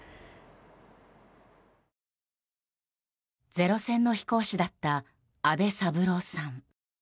零戦の飛行士だった阿部三郎さん。